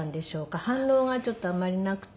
反応がちょっとあんまりなくて。